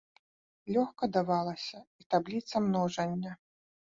Лёгка давалася і табліца множання.